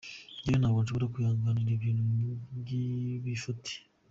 Njye ntabwo nshobora kwihanganira ibintu by’ibifuti.